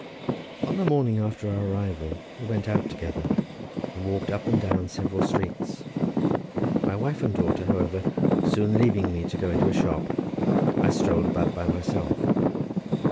On the morning after our arrival we went out together, and walked up and down several streets; my wife and daughter, however, soon leaving me to go into a shop, I strolled about by myself.